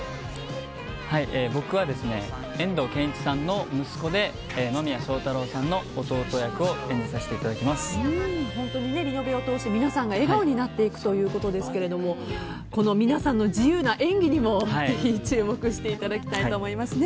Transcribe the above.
僕は遠藤憲一さんの息子で間宮祥太朗さんの弟役を本当にリノベを通して皆さんが笑顔になっていくということですけども皆さんの自由な演技にもぜひ注目していただきたいと思います。